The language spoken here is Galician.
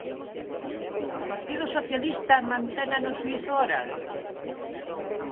O Partido Socialista mantena no xuízo oral?